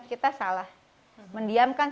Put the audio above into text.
kita salah mendiamkan